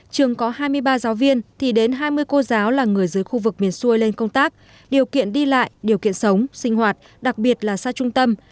trường có hai mươi ba giáo viên thì đến hai mươi cô giáo là người dưới khu vực miền xuôi lên công tác điều kiện đi lại điều kiện sống sinh hoạt đặc biệt là xa trung tâm